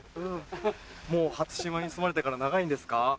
もう初島に住まれてから長いんですか？